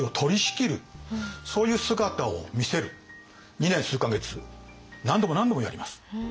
２年数か月何度も何度もやります。